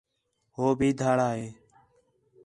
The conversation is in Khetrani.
ہو بھی دھاڑا ہِے